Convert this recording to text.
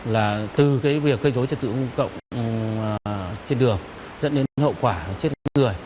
là từ cái việc gây dối trật tự cộng trên đường dẫn đến hậu quả trên người